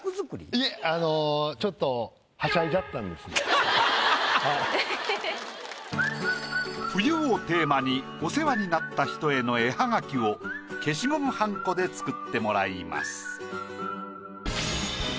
いえあの「冬」をテーマにお世話になった人への絵ハガキを消しゴムはんこで作ってもらいます。